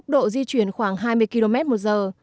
di chuyển khoảng hai mươi km một giờ